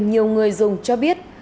nhiều người dùng cho biết